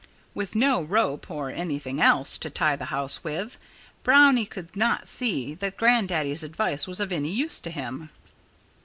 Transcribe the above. With no rope or anything else to tie the house with, Brownie could not see that Grandaddy's advice was of any use to him.